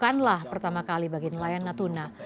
bukanlah pertama kali bagi nelayan natuna